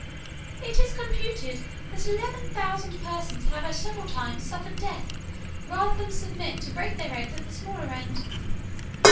It is computed that eleven thousand persons have at several times suffered death, rather than submit to break their eggs at the smaller end.